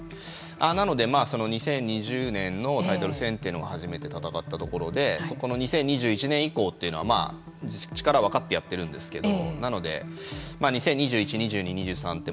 なので、２０２０年のタイトル戦というのが初めて戦ったところでこの２０２１年以降というのは力、分かってやってるんですけどなので、２０２１、２２２３って。